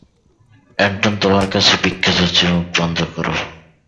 এন্টন তোমার কাছে ভিক্ষা চাচ্ছি, মুখ বন্ধ করো।